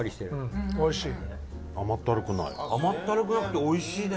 伊達：甘ったるくなくておいしいね！